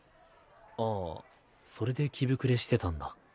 ああそれで着膨れしてたんだ。